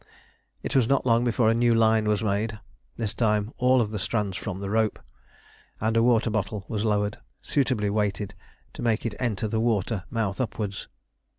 It was not long before a new line was made, this time all of strands from the rope, and a water bottle was lowered, suitably weighted to make it enter the water mouth upwards.